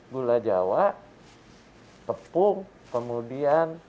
gula jawa tepung kemudian